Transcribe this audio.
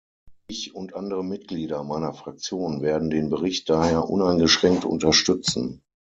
Ich und andere Mitglieder meiner Fraktion werden den Bericht daher uneingeschränkt unterstützen.